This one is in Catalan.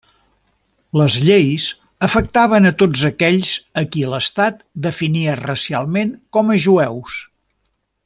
Les lleis afectaven a tots aquells a qui l'Estat definia racialment com a jueus.